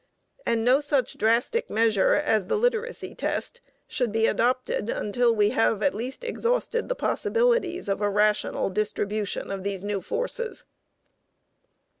[And] no such drastic measure [as the literacy test] should be adopted until we have at least exhausted the possibilities of a rational distribution of these new forces.